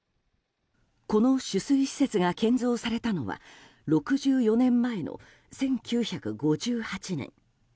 この取水施設が建造されたのは６４年前の１９５８年。